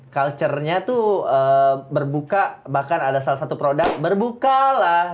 culture nya tuh berbuka bahkan ada salah satu produk berbuka lah